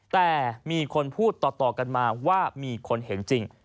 แต่มีคนพูดต่อกันมาว่ามีคนเห็นจริง